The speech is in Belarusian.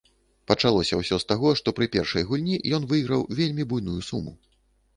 Пачалося ўсё з таго, што пры першай гульні ён выйграў вельмі буйную суму.